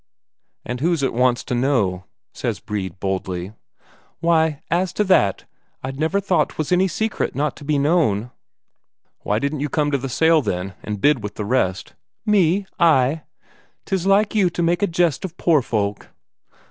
"And who's it wants to know?" says Brede boldly. "Why, as to that, I'd never thought 'twas any secret not to be known." "Why didn't you come to the sale, then, and bid with the rest?" "Me ay, 'tis like you to make a jest of poor folk."